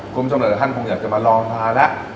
คุณผู้ชมหลายท่านคงอยากจะมาลองทานแล้ว